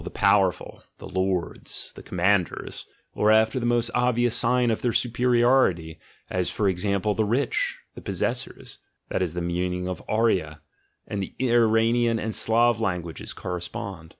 "the power ful," "the lords," "the commanders"), or after the most obvious sign of their superiority, as for example "the rich," "the possessors" (that is the meaning of arya; and the Iranian and Slav languages correspond).